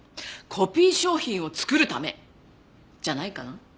コピー商品を作るためじゃないかな？